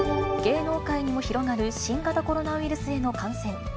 芸能界にも広がる新型コロナウイルスへの感染。